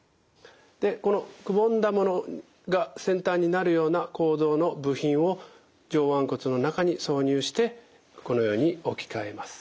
でこのくぼんだものが先端になるような構造の部品を上腕骨の中に挿入してこのように置き換えます。